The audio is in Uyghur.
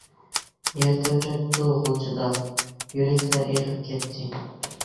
يەر تەۋرەپتۇ غۇلجىدا، يۈرەكلەر ئېغىپ كەتتى.